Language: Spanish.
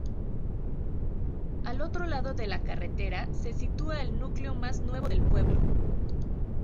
Al otro lado de la carretera se sitúa el núcleo más nuevo del pueblo.